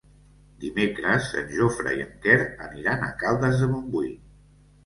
Dimecres en Jofre i en Quer aniran a Caldes de Montbui.